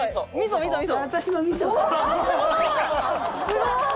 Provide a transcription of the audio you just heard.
すごい！